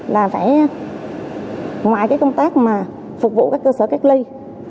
là phải ngoài cái công tác mà phục vụ các cơ sở cách ly